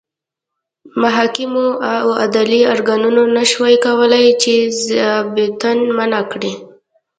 محاکمو او عدلي ارګانونو نه شوای کولای چې ظابیطان منع کړي.